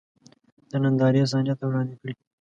د نندارې صحنې ته وړاندې کړي.